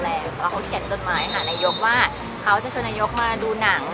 แล้วเขาเขียนจดหมายหานายกว่าเขาจะชวนนายกมาดูหนัง